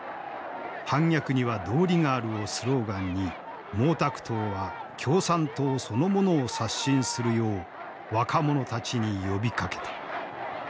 反逆には道理がある」をスローガンに毛沢東は共産党そのものを刷新するよう若者たちに呼びかけた。